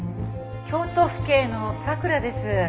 「京都府警の佐倉です」